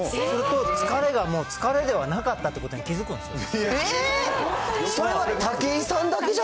すると、疲れがもう疲れではなかったってことに気付くんですよ。